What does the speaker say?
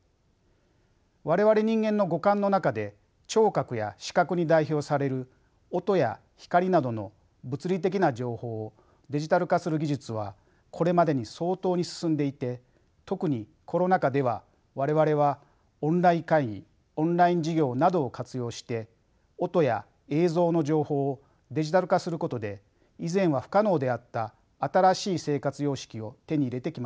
我々人間の五感の中で聴覚や視覚に代表される音や光などの物理的な情報をデジタル化する技術はこれまでに相当に進んでいて特にコロナ禍では我々はオンライン会議オンライン授業などを活用して音や映像の情報をデジタル化することで以前は不可能であった新しい生活様式を手に入れてきました。